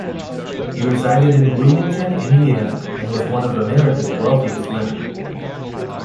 He resided in Bloomington, Indiana and was one of America's wealthiest men.